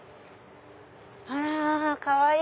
あらかわいい！